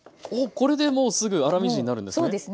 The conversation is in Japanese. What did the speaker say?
これでもうすぐ粗みじんになるんですね？